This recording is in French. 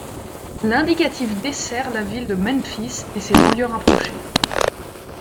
L'indicatif dessert la ville de Memphis et ses banlieues rapprochées.